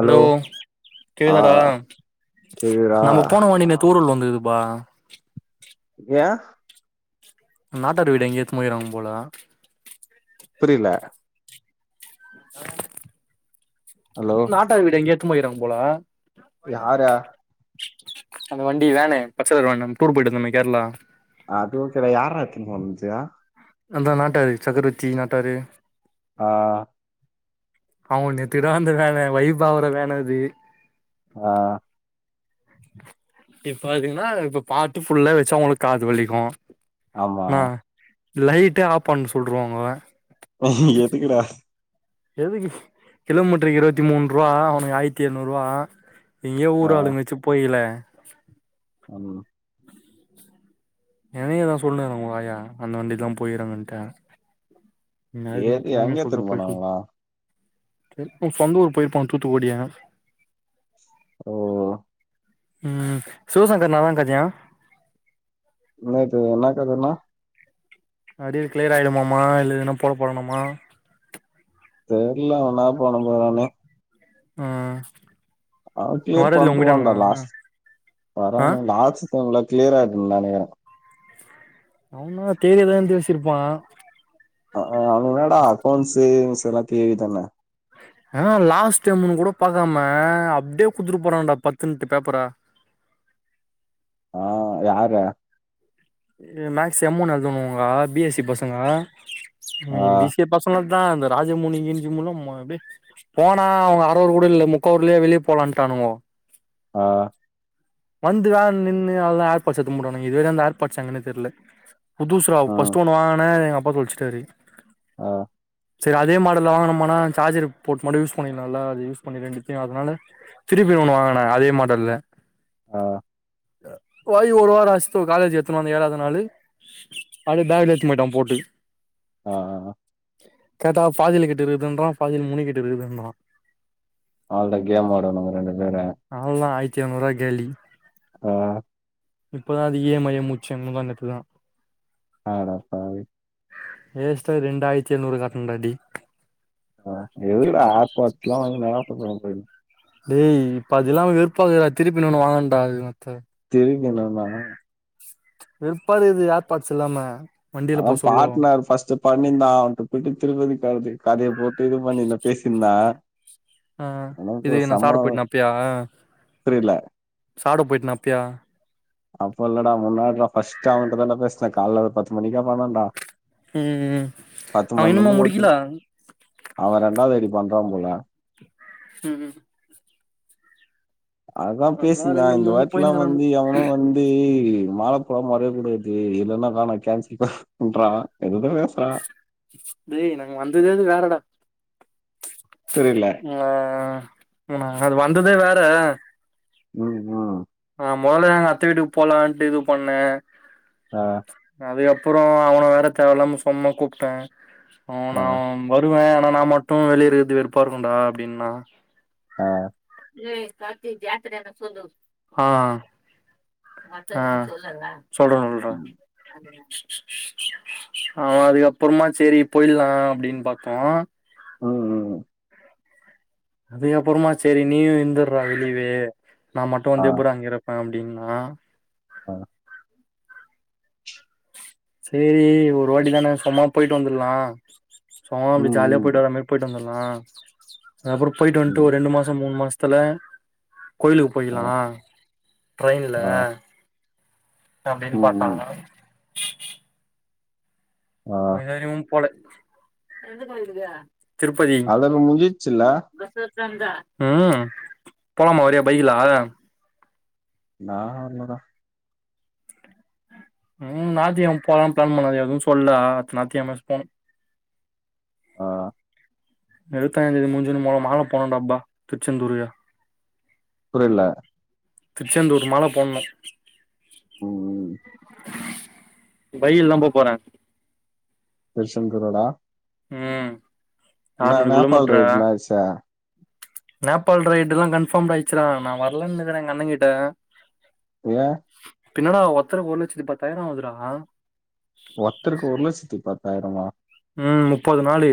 Hello ஆ கேக்குதா கேக்குதா நம்ம போனோ தூறல் வந்துக்குதுப்பா ஏன் நாட்டார் வீடு எங்கயோ எடுத்துன் போயிருக்கா போல புரியல ஹலோ நாட்டா வீடு எங்கயோ எடுத்துனு போயிருக்காங்க போல யாரா அந்த வண்டி வேன்னு பச்ச கலரு வேனு நம்ம டூர் போயிட்டு வந்தோமே கேரளா அது ஓகே டா யாரா எத்துனு போனச்சி அந்த நாட்டாரு சக்கரவர்த்தி நாட்டாரு ஆ அவ நேத்திதா அந்த வேன வைப் ஆவர வேன் அது ஆ இப்ப அதுல என்ன இருக்குது பாட்டு ஃபுல்லா வச்சா அவங்களுக்கு காது வலிக்கும் ஆமா ஆ லைட்ட ஆஃப் பண்ண சொல்ருவானுவ ம் ஹ எதுக்குடா எதுக்கு கிலோமீட்டருக்கு இரவத்தி மூன்றுரூபா அவனுக்கு ஆயிரத்தி எழுநூறுரூவா எங்கயோ ஆ ஊர் ஆளுங்க வச்சி போயிகில ஆமா என்னையு அதா சொல்லுனுகிறாங்க உங்க ஆயா அந்த வண்டில்லா போயி எறங்கன்ட்டு யாருக்கும் எது எப்பவுமே எங்க எத்துனு சொல்றப்ப பேசு போனாங்களா செரி ஓ சொந்த ஒரு போயிருப்பன் தூத்துக்குடியாங்க ஓ ம் சிவசங்கர் நாதான்ங்கஜயா இன்னொருத்தவன் எனக்கு எதனா அரிமர் கிளியர் ஆயிடுமாமா இல்ல எதனா புற போடணுமா தெர்ல அவன் என்னதா பண்ண போறானே ம் அவன் கிளியர் வரதுல பண்ருவான்டா உங்கிட்டானுங்களா லாஸ் ஆ பரவால்ல லாஸ் செம்ல கிளியர் ஆயிடும் நெனக்கிற அவனா [unintelligible] இருந்து பேசிருப்பான் ஆ அ அவன் என்னாடா அக்கௌன்ட்ஸு இன்ஸுலா தெரியும்தான ஆனா லாஸ்ட் டைமுனு கூட பாக்காம அப்டே குத்துட்டு போறானுடா பத்துன்ட்டு பேப்பர ஆ யாரு மேக்ஸ் எம் ஒனு எழுதனுவங்க பி எஸ் சி பசங்க ஆ ம் பி சி எ பச ங்களதா அந்த ராஜமுனி கீனிஜமுனிலா அப்டே போனா அவங்க அர அவரு கூட இல்ல முக்கா அவர்லே வெளிய போலான்ட்டானுவோ ஆ வந்துதா நின்னு அவ்ளோதா ஏர்பர்ஸ் எத்துனு பூடுனுவாங்க இதேதா அந்த ஏர்பாட்ஸ் எங்கனே தெர்ல புதுசுடா ம் ஃபஸ்ட்டு ஒன்னு வாங்கன எங்க அப்பா தொலச்சிட்டாரு ஆ சேரி அதே மாடல்ல வாங்கனுமானா சார்ஜர் போட்டு மட்டும் யூஸ் பண்ணிகலா இல்ல அத யூஸ் பண்ணி ரெண்டுத்தையும் அதனால திருப்பி ஒன்னு வாங்கனாங்க அதே மாடல்ல ஆ வாங்கி ஒரு வாரம் ஆச்சி ப்ரோ காலேஜி எத்துனு வந்த ஏழாவது நாலு அப்டே பேக்ல எடுத்துனு போயிட்டா பூட்டி ஆ ஆ கேட்டா பாதியில கிட்டு இருக்குது இன்றான் பாதில முனி கிட்ட இருக்கிது கிறான் அவ்ளோதா கேம் ஆடணும் ரெண்டு பேரும் அவ்ளோதா ஆயரத்தி எறநூறு ரூவா காலி ஆ இப்பதா அது ஏழுமலய முடிச்ச வந்துட்டுருக்கிறா அடப் பாவி வேஸ்ட்டா ரெண்டாயிரத்தி எழுநூறு கட்ணு டாடி ஆ எதுகூடா ஆர் பாட்சுலா வாங்கி என்னடா பண்ண போற டேய் இப்ப அது இல்லாம வெறுப்பா இக்குதுடா திருப்பி இன்னு ஒண்ணு வாங்கனுன்டா [unintelligible] திருப்பி இன்னோன்னா வெருப்பா இருக்குது ஆர் பாட்ஸ் இல்லாம வண்டில அதா போ சொல்லு பாட்னாரு ஃபஸ்ட்டு பண்ணிந்தா அவன்ட போயிட்டு திருப்பதி கது கதய போட்டு இது பண்ணி பேசினிந்தா ஆ இது என்ன சாப்ட போயிட்டேனே அப்பயா ஆ புரில சாப்ட போயிட்டனே அப்பயா அப்போ இல்லடா முன்னாடிடா ஃபஸ்ட்டா அவன்ட்டதான்டா பேசுனே கால்ல பத்து மணிக்கு அப்றோதான்டா ம் ம் அவ இன்னுமா முடிக்கில அவ ரெண்டாவ்து அப்டி பண்றா போல ம்ம் அதா அதெல்லா பேசின்ந்தா ரெண்டு இந்த மூணு வாட்டிலா போயினுக்கிறானுங்க வந்து எவனு வந் து மாலப்புழா மறைய கூடாது இல்லனா வேனா கேன்சல் ண்றா எதோதோ பேசுறா டேய் நாங்க வந்ததே அது வேறடா புரில்ல ஆ ஆ நம்ம அது வந்ததே வேற ம் ம் நா மொதல்ல எங்க அத்த வீட்டுக்கு போலான்ட்டு இது பண்ணே ஆ அதுக்கப்புறோ அவன வேற தேவையில்லாம சொம்மா கூப்ட்ட அவ நா வருவ ஆனா நா மட்டு வெளிய இருக்கிறது வெறுப்பா இருக்கூடா அப்டின்னா ஆ ஆ ஆ சொல்ற சொல்ற ஆமா அதுக்கப்புறமா செரி போயிலா அப்டின் பாத்தோ அ அ அதுக்க அப்புறமா சேரி நீயு இருந்துற்றா வெளியவே நா மட்டு வந்து எப்புறா இங் அப்டின்னா ஆ சேரி ஒரு வாட்டி தான சும்மா போயிட்டு வந்துல்லா சோ அப்டி ஜாலியா போயிட்டு வர மாரி போயிட்டு வந்துல்லா அதுப்புற போயிட்டு வந்துட்டு ஒரு ரெண்டு மாச மூணு மாச த்தல கோயிலுக்கு போயிக்கிலா ட்ரெயின்ல அப்டின் பாத்தாங்க ஆ, வேற எங்கயு போல திருப்பதி அதெல்லாம் முடிஞ்சிச்சுல ம் போலாமா வரியா பைக்கில நா வர்லடா ம் நாத்திகெழம போலான் ப்ளான் பண்ணது எதுவு சொல்ல அத்த நாத்திகெழம போனு ஆ, எழுவத்தஞ்சாந்தேதி முஞ்சோண மொல்ல மால போனோ டாப்பா திருச்செந்தூருகு புரில திருச்செந்தூர் மால போண்ணு ம் ம் பைய்யில் தா போபோற திருசங்கு ரோடா ம் ஆற்நூர் நேபாள் கிலோமீட்ரா ரைட்ல ஆச்சா நேபாள் ரைடுல்லா கன்ஃபார்ட் ஆயிடுச்சுரா நா வரலனு இருக்கிறே எங்க அண்ணங்கிட்ட ஏ இப்ப என்னடா ஒருத்தர்க்கு ஒரு லட்சத்தி பத்தாயிரோ ஆவுதுடா ஒர்த்தருக்கு ஒரு லட்சத்தி பத்தாயிரமா ம் முப்பது நாலு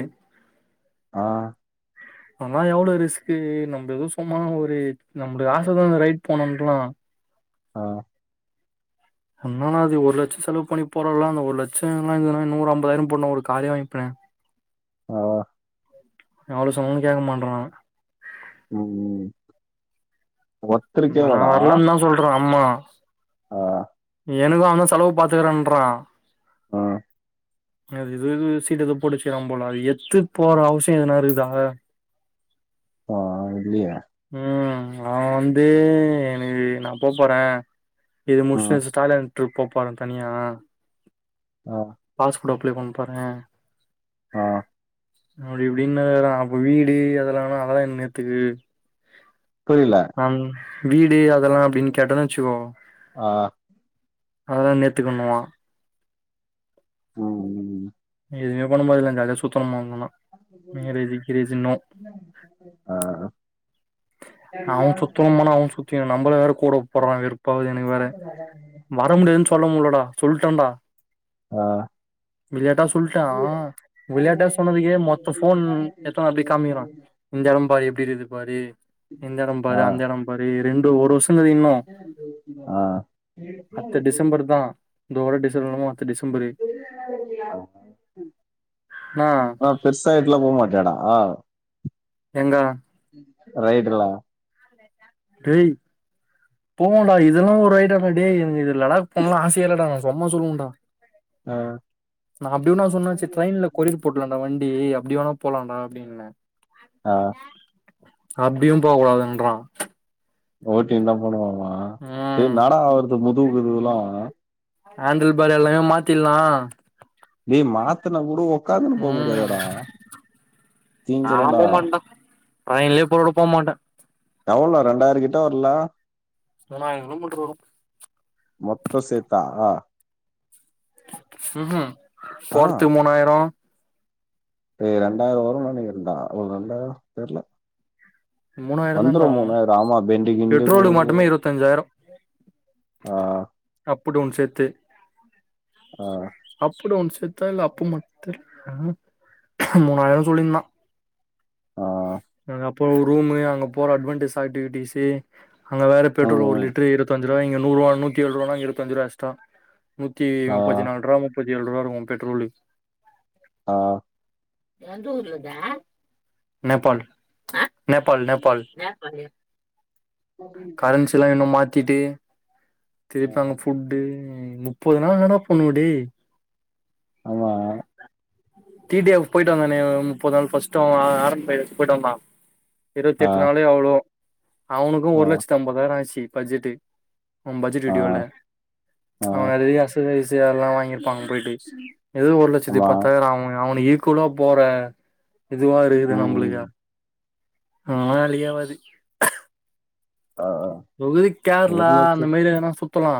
ஆ ஆனா எவ்ளோ ரிஸ்க்கு நம்ம எதோ சும்மா ஒரு நம்பளுக்கு ஆச பட்றவுங்க ரைட் போனோன்லா ஆ என்னான்னா அது ஒரு லட்ச செலவு பண்ணி போறோல்லா அந்த ஒரு லட்சோ எல்லா இருந்ததுன்னா நூறு ஐம்பதாயிரம் போட்னு ஒரு காரே வாங்கிப்பனே ஆ ஆ எவ்ளோ சொன்னாலு கேக்க மாட்றா இவே ம் ஒர்த்தருக்கேவாடா ஆ சொல்ற அம்மா ஆ எனக்கு அவந்தா செலவு பாத்துக்குறன்றா ஆ அது இது சீட்டு எதுவு போட்டு வச்சுக்குரா போல அது எத்து போற அவசியோ எதுனா இருக்குதா வா இல்லயே ம் அவ வந்து எனக்கு நா போ போறே இது ஆ முடுச்ட்டு தாய்லாந்து ட்ரிப் போப் போறே தனியா ஆ பாஸ்போட் அப்ளே பண்ணப் போறே ஆ அப்டி இப்டின்னுகிறா அப்போ வீடு அதுலானா அதலா இன்னேத்துக்கு புரியில அம் வீடு அதெல்லா அப்டின் கேட்டோன வெச்சுகோ ஆ அதலா நேத்துக்குண்ணுவா ம் ம் ம் எதுவுமே பண்ண போறதுல்ல ஜாலியா சுத்தனுமா இவுங்கலா ஆ ஆ அவோ சுத்தனும்முனா அவே சுத்தி நம்மள வேற கூட கூப்புற்றா வெறுப்பாவுது எனுக்கு வேற வர முடியாதுன் சொல்ல முட்ல்லடா சொல்ட்டான்டா ஆ விளையாட்டா சொல்ண்டா விளையாட்டா சொன்னதுக்கே மொத்த போன் எடுத்து வந்து அப்டே காமிக்கிறா இந்த எடம்பாரு எப்டி இருக்குது பாரு இந்த ஆ எடம்பாரு அந்த எடம்பாரு ரெண்டு ஒரு வருஷோங்கிது இன்னு ஆ இதோட [unintelligible] த்த டிசம்பரு என்னா அப் பெர்சா ஆய்ட்லா போ மாட்டியாடா எங்க ரைட்டுலா [unintelligible] டேய் போங்கடா இதலா ஒரு ஐடியாவா டேய் எனுக்கு இ இல்லனாக் பன்லா ஆசையேயில்லடா சொம்மா சொல்லுவோண்டா ஆ நா அப்டி ஒன்னா சொன்னாச்சு ட்ரெயின்ல கோரியர் போட் லான்டா வண்டி அப்டி வோனா போலாண்டா அப்டின்ன அப்டியு போ கூடாதுன்றா ஓட்டின்தா போணுமாமா டேய் ம் இன்னாடா ஆவற்து முதுவு கிதுவ்லா ஆண்டில் பார் எல்லாமே மாத்தில்லா டேய் மாத்துனா கூட ஒக்காந்துனுக் போ ம் முடியாதடா தீஞ்சிறுண்டா ரயின்யில்லியே போனாக்கூட போ மாட்டே எவல் நேரோ ரெண்டாயிரோ கிட்டே வர்ல மூனாயிரோ கிலோ மீட்ரு வரோ மொத்தோ சேத்தா அ உ உம் ஆ போர்த்து மூணாயிரோ ஏ ரெண்டாயிரோ வருன் நெனைக்கிரண்டா ஓர் ரெண்டாய்ரோ தெர்லே மூணாயிரோ வந்துரோ தான்டா முனாயிரோ ஆமா பெண்டு கிண்டு பெட்ரோலுக்கு போவோ மட்டுமே இருவத்தஞ்சாயிரோ ஆ அப்பு டவுன் சேத்து ஆ அப்பு டவுன் சேத்தா இல்ல அப்பு மட் தெர்ல ஆ மூணாயிரோ சொல்லியிந்தா ஆ அ அப்றோ ரூமூ அங்க போற அட்வென்டுஸ் ஆக்டிவிட்டிஸு அங்க வேற ம் பெட்ரோலு ஒரு ம் லிட்ரு இருவத்தஞ்ரூபா இங்க நூர்வா நூத்தி ஏல்ரூபானா இங்க இருவத்தஞ்ரூவா எக்ஸ்ட்ரா நூத்தி ஆ முப்பத்தினால்ரூபா முப்பத்திஏல்ரூபா இருக்கோ பெட்ரோலு ஆ நேபாள் நேபாள் நேபாள் கரன்சிலா இன்னு மாத் திட்டு ஆ. திருப்பங்க ஃபுட்டு முப்பதுநாள்தான்டா போனு டேய் ஆமா டி டி ஃப் போயிட்டு வந்தானே ஓர் முப்பது நாள் ஃபர்ஸ்டு [unintelligible] வந்தா இருவத் ஆ எட்டு நாளே அவ்ளோ அவனுக்கு ஒரு ஆ லட்சத்தி ஐம்பதாயிரோ ஆயிட்ச்சு பட்ஜெட்டு் உ பட்ஜெட் ஆ இடியோல ஆ அவ நிறைய [unintelligible] ல்லா வாங் கிருப்பாங்க போயிட்டு ஏதோ ஒரு லட்சத்தி ஆமா பத்தாயிர அவ அவனு ஈக்குவலா போற இதுவா இருக்குது நம்புளுக்கு ம் அவன்ளா வேளக்கே ஆவாது ஆ ஆ குதி கேரளா அந்த மாதிரி எனா சுத்தலா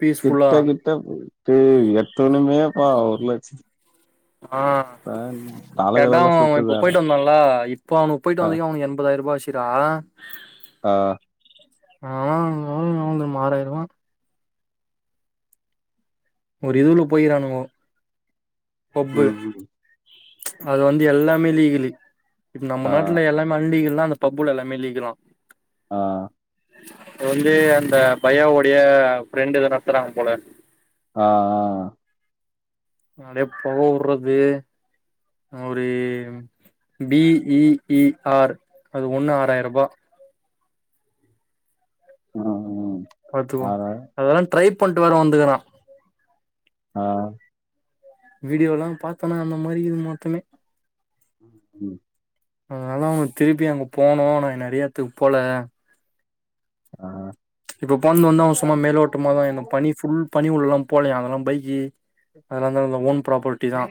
பீஸ்ஃபுல்லா கிட்ட கிட்ட போட்டு எத்தவணுமேப்பா ஒரு லட்ச ஆ [unintelligible] கேட்டா அவ இப்ப சுத்துதாடா போயிட்டு வந்தோல இப்ப அவனுக் போயிட்டு ஆ வந்துக்கக்கு அவனுக் எண்பதாயிர ரூபா ஆச்சுரா ஆ ஆமாங் வ [unintelligible] ஓர் இதுல போயிரானுங்கோ ஹப்பு ம் ம் அத் வந்து எல்லாமே லீகலு இப்ப நம்ம ஆ நாட்ல எல்லா மல்லியலா லா அந்த பப்புல எல்லாம ல்லிக்கலா ஆ வந்து அந்த பையா உடைய ஃப்ரெண்ட்டு இத நடத்துறாங்க போல ஆ நானேப் பொக உர்றது ஒரு பி இ இ ஆர் அது ஒண்ணு ஆறாயிர் ருபா உ பாத்துக்குவோ அதெல்லா ட்ரை பண்ட்டு வேற வந்துக்குரா ஆ வீடியோலா பாத்தோனா அந்த மாரி இக்குது மொத்தமே ம் ம் அதனால அவ்ங்க திருப்பி அங்க போனோ நா நறியா எத்துக்கு போல ஆ இப்போ போந்து வந்து அவ சும்மா மேலோட்டமா தா ஈந்த பனி ஃபுல் பனி உள்ளலா போலயா அதெல்லா பைக்கு அதுலந்து அதில்ல ஓன் ப்ராபர்ட்டி தா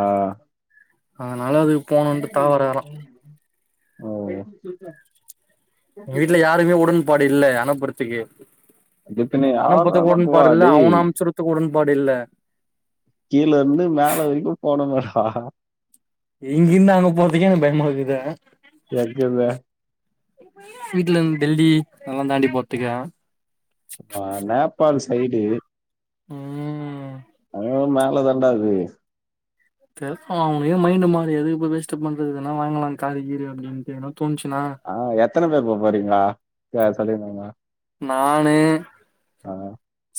ஆ அதனால அது [unintelligible] ஓ எங்க வீட்ல யாருக்குமே உடன்பாடு இல்ல அனுப்புறத்துக்கு இதுக்குன்னு நானு யார்ரா போறத்துக்கு நம்புவா உடன்பாடுல்லை டேய் அவன அம்ச்சுட்றத்துக்கு உடன்பாடு இல்ல கீழே இருந்து மேல வரிக்கு போனுமாடா இங்கிந்த அங்க போறதுக்கே எனக் பயமாக்குது எங்கிருந்த வீட்லருந்து டெல்லி அங்கலா தாண்டி போறதுக்கா வ நேபால் சைடு ம் அ மேலதா ண்டாது தெ அவங்களே மைண்ட் மாத்தி எதுக் இப்ப வேஸ்ட்டு பண்றது எதனா வாங்கலா காரு கீரு அப்டின்டு எதனா தோனுச்சினா ஆ எத்தன பேரு போ போறீங்கா சேர் சொல்லியிருந்தாங்க நானு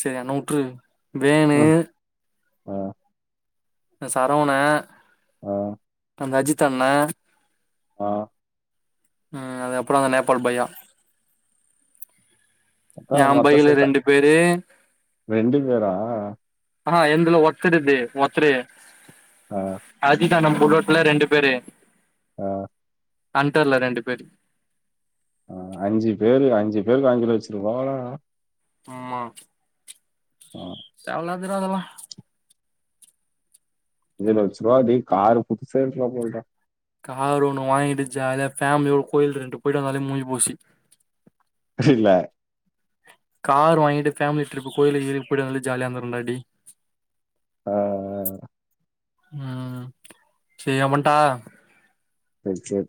சேரி என்ன உட்று ம் ஆ நா சரவணெ ஆ அந்த அஜித் அண்ணெ ஆ ஆ அதுக்கப்றொ அந்த நேபால் பையா ஏ அதான் மொத்தம் பைக்ல சேத்தா ரெண்டு பேரு பேரா? ஆனா எந்துல ஒத்தருது ஒத்தரு ஆ அதுதா நமக்கு உள்ளோட்டுல ரெண்டு பேரு ஆ அண்டர்ல ரெண்டு பேரு ஆ அஞ்சு பேரு அஞ்சு பேருக்கு அஞ்சி லச்சருவாடா ஆமா ரூ. தேவல்லாது தெரியாதுடா அதெல்லா அஞ்சு லச்சருவா டேய் காரு புதுசா எடுக்லா போலடா காரு ஒண்ணு வாங்கிட்டு ஜாலியா ஃபேமிலியோட கோயில் ரெண்டு போயிட்டு வந்தாலே முஞ்சி போச்சு ப்ரச்சன இல்ல கார் வாங்கிட்டு ஃபேமிலி டிரிப்பு கோயிலுக் கீயிலுக் போய்ட்டு வந்தாலே ஜாலியா இந்துருக்கு இந்தாட்டி ஆ ஆ உம் செய் எவன்டா மெச்சூர்